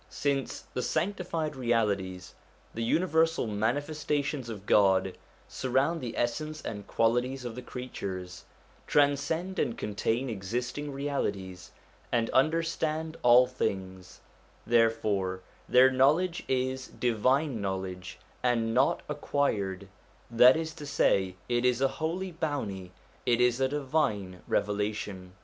Since the Sanctified Realities, the universal Manifes tations of God, surround the essence and qualities of the creatures, transcend and contain existing realities and understand all things, therefore their knowledge is divine knowledge, and not acquired : that is to say, it is a holy bounty, it is a divine revelation.